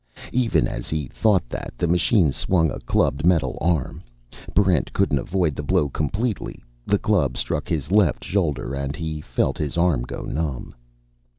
Even as he thought that, the machine swung a clubbed metal arm. Barrent couldn't avoid the blow completely. The club struck his left shoulder, and he felt his arm go numb.